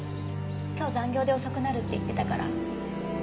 今日残業で遅くなるって言ってたから８時頃来て。